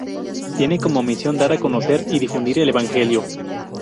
Tiene como misión dar a conocer y difundir el Evangelio.